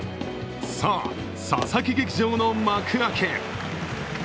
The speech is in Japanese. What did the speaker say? さあ、佐々木劇場の幕開け。